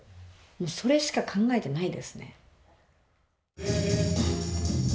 それしか考えてないですね。